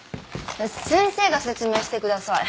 先生が説明してください。